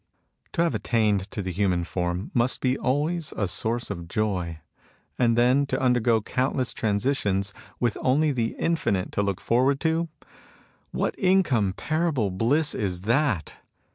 To have attained to the human form must be always a source of joy. And then, to undergo countless transitions, with only the infinite to look forward to, — ^what incomparable bliss is that